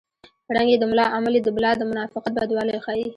رنګ یې د ملا عمل یې د بلا د منافقت بدوالی ښيي